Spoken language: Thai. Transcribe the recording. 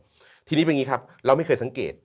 ทีนี้เป็นอย่างนี้ครับเราไม่เคยสังเกต